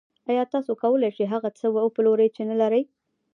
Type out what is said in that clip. آیا تاسو کولی شئ هغه څه وپلورئ چې نلرئ